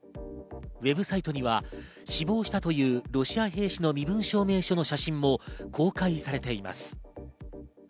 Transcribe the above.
ＷＥＢサイトには死亡したというロシア兵士の身分証明書の写真も公開されています。